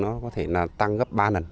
nó có thể là tăng gấp ba lần